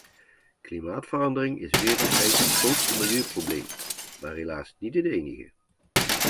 Klimaatverandering is wereldwijd het grootste milieuprobleem, maar helaas niet het enige.